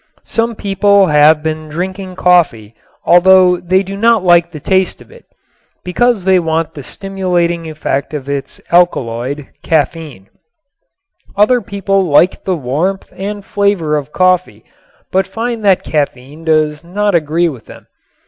Some people have been drinking coffee, although they do not like the taste of it, because they want the stimulating effect of its alkaloid, caffein. Other people liked the warmth and flavor of coffee but find that caffein does not agree with them.